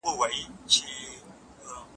که چپ پاته سم ګناه ده.